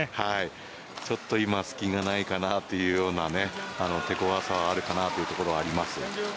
ちょっと今、隙がないかなという手ごわさはあるかなというふうに思います。